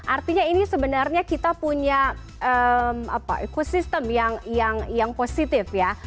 artinya ini sebenarnya kita punya ekosistem yang positif ya